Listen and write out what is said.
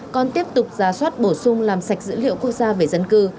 còn tiếp tục ra soát bổ sung làm sạch dữ liệu quốc gia về dân cư